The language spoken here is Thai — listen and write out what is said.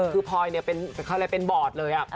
คือพรอยมีแบบเป็นบอร์ดครับ